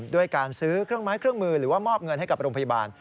ด้วยการซื้อเครื่องไม้เครื่องมือหรือว่ามอบเงินให้กับโรงพยาบาล